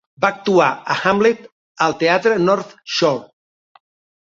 Va actuar a "Hamlet" al teatre North Shore.